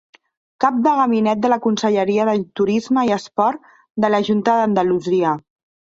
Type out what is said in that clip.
Cap de Gabinet de la Conselleria de Turisme i Esport de la Junta d'Andalusia.